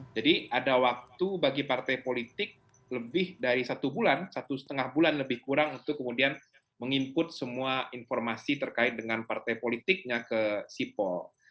jadi ada waktu bagi partai politik lebih dari satu bulan satu setengah bulan lebih kurang untuk kemudian meng input semua informasi terkait dengan partai politiknya ke sipol